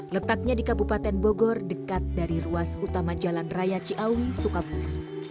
letaknya di kabupaten bogor dekat dari ruas utama jalan raya ciawi sukabumi